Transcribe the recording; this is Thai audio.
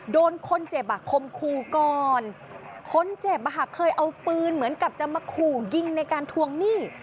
โดนคนเจ็บอ่ะคมคู่ก่อนคนเจ็บอ่ะค่ะเคยเอาปืนเหมือนกับจะมาขู่ยิงในการทวงหนี้